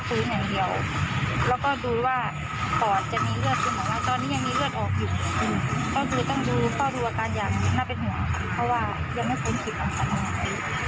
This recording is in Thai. ก็ดูต้องดูก็ดูอาการยังน่าเป็นห่วงค่ะเพราะว่ายังไม่ค้นคลิปอ่ะค่ะ